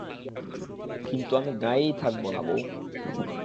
কিন্তু আমি গাঁয়েই থাকব না বৌ।